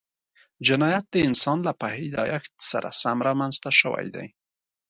جنایت د انسان له پیدایښت سره سم رامنځته شوی دی